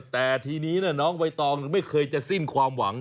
แต่ทีนี้น้องใบตองไม่เคยจะสิ้นความหวัง